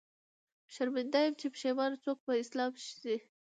شرمنده يم، چې پښېمان څوک په اسلام شي